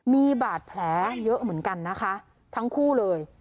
มีบาดแผลเยอะเหมือนกันนะคะทั้งคู่เลย